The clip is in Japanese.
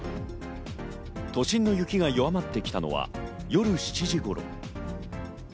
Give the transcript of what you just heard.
都心の雪が弱まってきたのは夜７時頃。